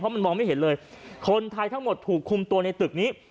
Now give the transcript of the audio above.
มันมองไม่เห็นเลยคนไทยทั้งหมดถูกคุมตัวในตึกนี้